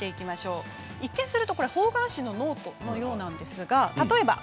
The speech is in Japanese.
一見すると方眼紙のノートのようですよね。